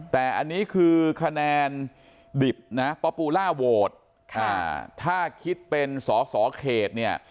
แต่อันนี้คือคะแนนดิบนะป๊อปูล่าโหวตถ้าคิดเป็นสอสอเขตเนี่ย